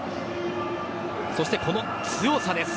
そしてこの強さです。